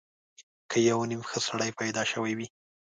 که یو یا نیم ښه سړی پیدا شوی وي.